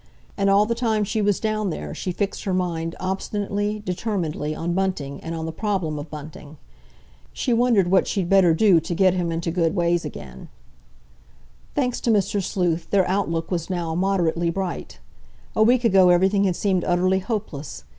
And all the time she was down there she fixed her mind obstinately, determinedly on Bunting and on the problem of Bunting. She wondered what she'd better do to get him into good ways again. Thanks to Mr. Sleuth, their outlook was now moderately bright. A week ago everything had seemed utterly hopeless.